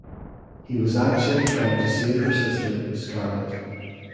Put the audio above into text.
He was actually trying to save her sister, Scarlet.